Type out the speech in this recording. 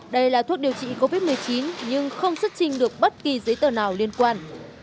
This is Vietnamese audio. đây là thuốc điều trị covid một mươi chín nhưng không xuất trình được bất kỳ giấy tờ nào liên quan